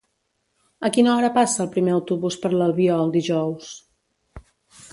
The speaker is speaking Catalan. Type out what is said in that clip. A quina hora passa el primer autobús per l'Albiol dijous?